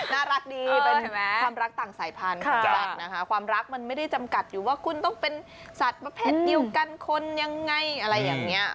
น่ารักดีเป็นความรักต่างสายพันธุ์รักนะคะความรักมันไม่ได้จำกัดอยู่ว่าคุณต้องเป็นสัตว์ประเภทเดียวกันคนยังไงอะไรอย่างนี้